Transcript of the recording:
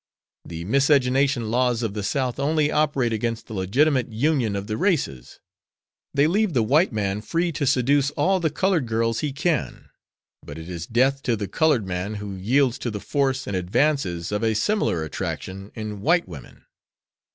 The miscegnation laws of the South only operate against the legitimate union of the races; they leave the white man free to seduce all the colored girls he can, but it is death to the colored man who yields to the force and advances of a similar attraction in white women.